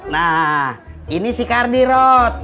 nah ini si kardi rod